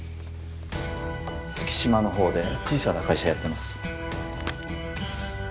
月島の方で小さな会社やってます。